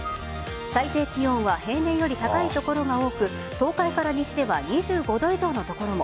最低気温は平年より高い所が多く東海から西では２５度以上の所も。